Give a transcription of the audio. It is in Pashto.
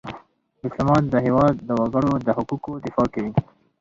ډيپلومات د هېواد د وګړو د حقوقو دفاع کوي .